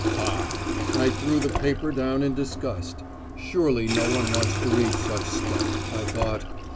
Pah! I threw the paper down in disgust. Surely no one wants to read such stuff, I thought.